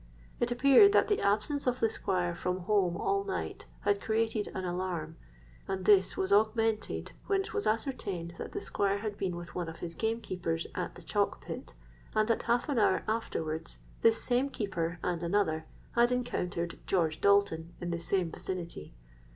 It appeared that the absence of the Squire from home all night had created an alarm; and this was augmented when it was ascertained that the Squire had been with one of his gamekeepers at the chalk pit, and that half an hour afterwards this same keeper and another had encountered George Dalton in the same vicinity.